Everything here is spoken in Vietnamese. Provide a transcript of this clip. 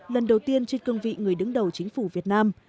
lần đầu tiên trên cương vị người đứng đầu chính phủ việt nam